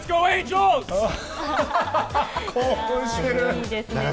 いいですね。